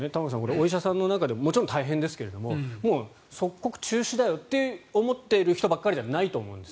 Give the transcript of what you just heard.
お医者さんの中でもちろん大変ですが即刻中止だよと思ってる人ばかりじゃないと思うんです。